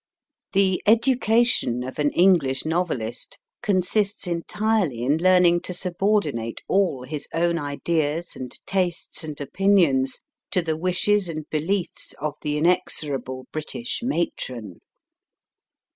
The education THANK YOU, SIR of an English novelist consists entirely in learning to sub ordinate all his own ideas and tastes and opinions to the wishes and beliefs of the inexorable British matron.